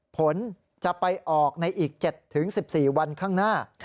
ผลจะไปออกในอีก๗๑๔วันข้างหน้า